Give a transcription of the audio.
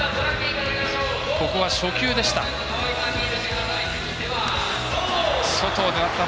ここは初球でした。